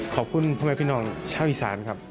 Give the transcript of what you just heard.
ขอบคุณพ่อแม่พี่น้องชาวอีซานครับ